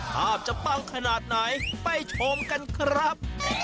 ภาพจะปังขนาดไหนไปชมกันครับ